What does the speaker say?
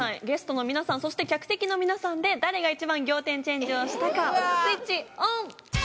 ゲストの皆さんそして客席の皆さんで誰が一番仰天チェンジをしたかスイッチオン！